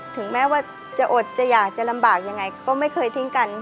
ถึงแม้ว่าจะอดจะอยากจะลำบากยังไงก็ไม่เคยทิ้งกัน